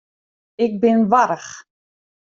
Ik bin warch.